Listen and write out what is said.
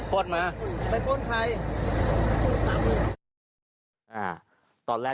ปลดมา